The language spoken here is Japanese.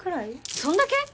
そんだけ？